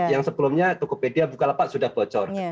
yang sebelumnya tokopedia bukalapak sudah bocor